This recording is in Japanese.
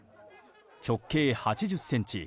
直径８０ｃｍ